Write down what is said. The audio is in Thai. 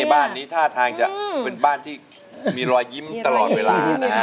บ้านนี้ท่าทางจะเป็นบ้านที่มีรอยยิ้มตลอดเวลานะฮะ